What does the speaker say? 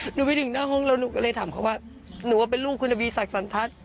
ไปถึงหน้าห้องแล้วหนูก็เลยถามเขาว่าหนูว่าเป็นลูกคุณทวีศักดิสันทัศน์